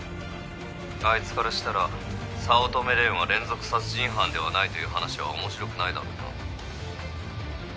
アイツからしたら「早乙女蓮は連続殺人犯ではない」という話は面白くないだろうな。